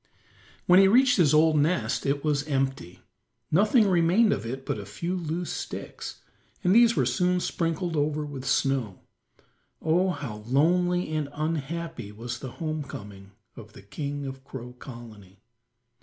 When he reached his old nest it was empty. Nothing remained of it but a few loose sticks, and these were soon sprinkled over with snow. Oh, how lonely and unhappy was the home coming of the king of Crow Colony.